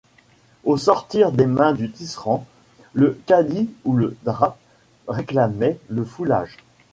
Au sortir des mains du tisserand, le cadis ou le drap réclamaient le foulage.